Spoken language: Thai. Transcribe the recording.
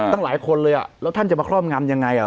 ตั้งหลายคนเลยแล้วท่านจะมาครอบงำยังไง